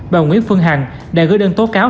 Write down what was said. bà nguyễn phương hằng đã gửi đơn tố cáo